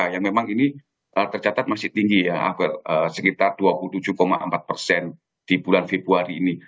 yang memang ini tercatat masih tinggi ya sekitar dua puluh tujuh empat persen di bulan februari ini